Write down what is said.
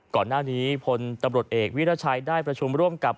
ก่อนหน้านี้พลตำรวจเอกวิรัชัยได้ประชุมร่วมกับ